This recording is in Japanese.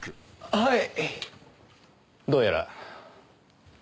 はい。